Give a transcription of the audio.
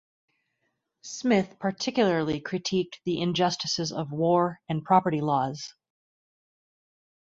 Smith particularly critiqued the injustices of war and property laws.